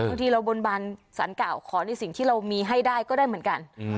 บางทีเราบนบานสารเก่าขอในสิ่งที่เรามีให้ได้ก็ได้เหมือนกัน